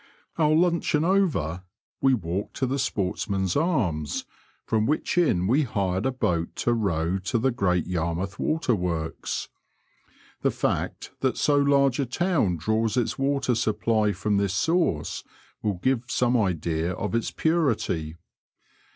Our luncheon over, we walked to the Sportsman's Armsj from which inn we hired a boat to row to the Great Yarmouth Waterworks. (The &ct that so large a town draws its water fiupply from this source will give some idea of its purity.)